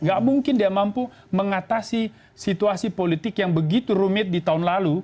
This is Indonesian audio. gak mungkin dia mampu mengatasi situasi politik yang begitu rumit di tahun lalu